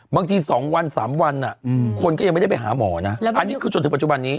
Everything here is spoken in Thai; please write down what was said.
บางทีสองวันสามวันอ่ะคนก็ยังไม่ได้ไปหาหมอนะอันนี้คือจนถึงปัจจุบันนี้